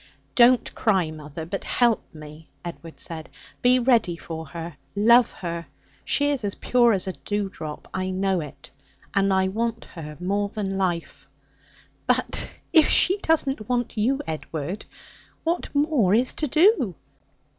'Don't cry, mother, but help me,' Edward said. 'Be ready for her, love her. She is as pure as a dew drop. I know it. And I want her more than life.' 'But if she doesn't want you, Edward, what more is to do?'